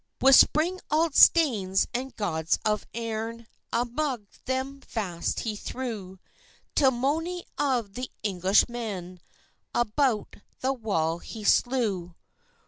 With springalds, stanes, and gads of airn, Amang them fast he threw; Till mony of the Englishmen About the wall he slew.